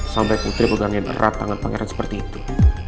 sampai putri pegangin erat tangan pangeran seperti itu